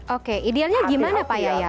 oke idealnya gimana pak yaya